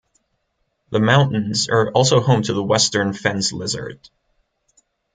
The mountains are also home to the Western fence lizard.